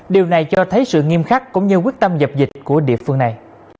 điều này cho thấy sự nghiêm khắc cũng như quyết tâm dập dịch của địa phương này